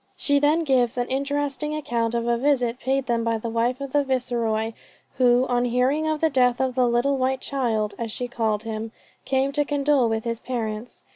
She then gives an interesting account of a visit paid them by the wife of the Viceroy, who on hearing of the death of the 'little white child' as she called him, came to condole with his parents.